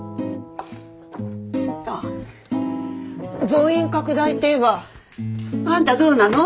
増員拡大っていえばあんたどうなの？